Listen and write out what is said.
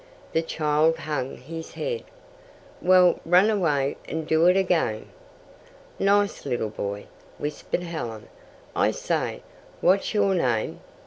The child hung his head. "Well, run away and do it again." "Nice little boy," whispered Helen. "I say, what's your name?